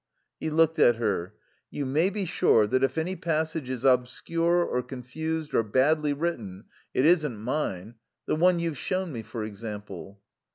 He looked at her. "You may be sure that if any passage is obscure or confused or badly written it isn't mine. The one you've shown me, for example."